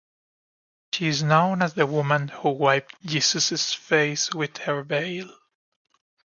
She is known as the woman who wiped Jesus's face with her veil.